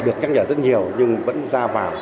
được nhắc nhở rất nhiều nhưng vẫn ra vào